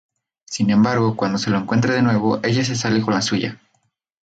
Sin embargo, cuando se lo encuentra de nuevo, ella se sale con la suya.